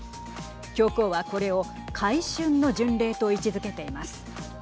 教皇は、これを改しゅんの巡礼と位置づけています。